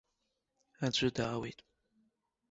Аӡәы даауеит!